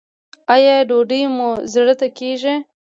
ایا ډوډۍ مو زړه ته کیږي؟